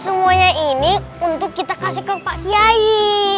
semuanya ini untuk kita kasih ke pak kiai